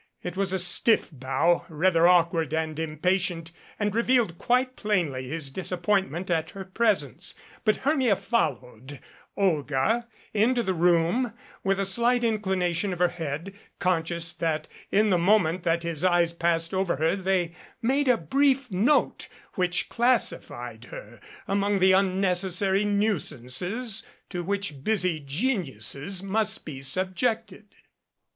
It was a stiff bow, rather awkward and impatient and revealed quite plainly his disappointment at her presence, but Hermia followed Olga into the room with a slight inclination of her head, conscious that in the moment that his eyes passed over [her they made a brief note which classified her among the unnecessary nuisances to which busy geniuses must be subjected.